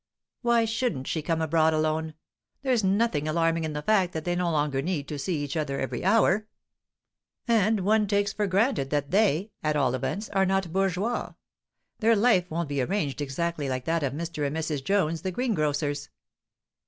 "Why shouldn't she come abroad alone? There's nothing alarming in the fact that they no longer need to see each other every hour. And one takes for granted that they, at all events, are not bourgeois; their life won't be arranged exactly like that of Mr. and Mrs. Jones the greengrocers."